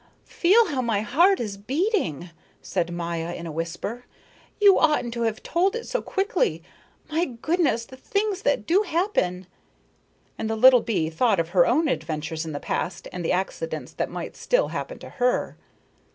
"Feel how my heart is beating," said Maya, in a whisper. "You oughtn't to have told it so quickly. My goodness, the things that do happen!" And the little bee thought of her own adventures in the past and the accidents that might still happen to her.